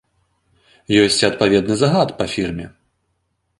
Ёсць і адпаведны загад па фірме.